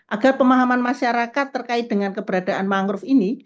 agar pemahaman masyarakat terkait dengan keberadaan mangrove ini